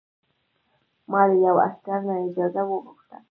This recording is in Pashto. ما له یوه عسکر نه اجازه وغوښته.